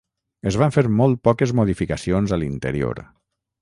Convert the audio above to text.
Es van ver molt poques modificacions a l'interior.